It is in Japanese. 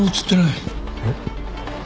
えっ？